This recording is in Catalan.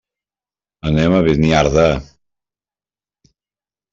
Anem a Beniardà.